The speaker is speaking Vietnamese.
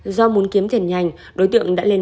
do muốn kiếm tiền nhanh đối tượng đã lên